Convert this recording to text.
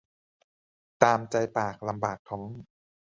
ตามใจปากลำบากท้อง